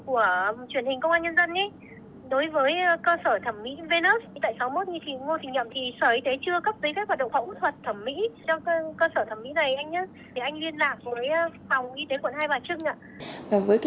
của truyền hình công an nhân dân đối với cơ sở thẩm mỹ venice